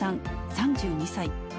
３２歳。